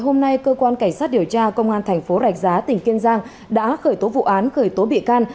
hôm nay cơ quan cảnh sát điều tra công an thành phố rạch giá tỉnh kiên giang đã khởi tố vụ án khởi tố bị can